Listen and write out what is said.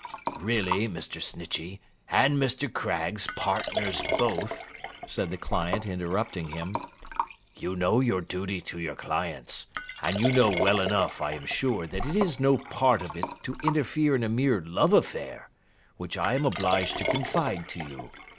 'Really, Mr. Snitchey, and Mr. Craggs, partners both,' said the client, interrupting him; 'you know your duty to your clients, and you know well enough, I am sure, that it is no part of it to interfere in a mere love affair, which I am obliged to confide to you.